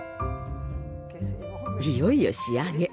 いよいよ仕上げ。